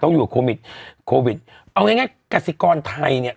อยู่โควิดโควิดเอาง่ายง่ายกสิกรไทยเนี่ย